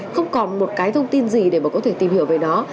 không còn một cái thông tin gì để mà có thể tìm hiểu về nó